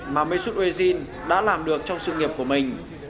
mà mesut ozil đã làm được trong sự nghiệp của mình